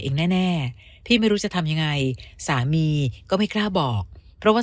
แน่แน่พี่ไม่รู้จะทำยังไงสามีก็ไม่กล้าบอกเพราะว่า